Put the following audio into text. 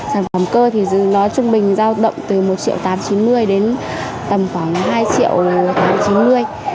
sản phẩm cơ thì nó trung bình giao động từ một triệu tám trăm chín mươi đến tầm khoảng hai triệu tám trăm chín mươi